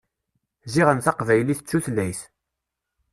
Ziɣen taqbaylit d tutlayt.